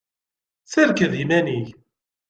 Serked iman-ik.